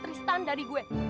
tristan dari gue